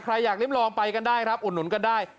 อยากริ้มลองไปกันได้ครับอุดหนุนกันได้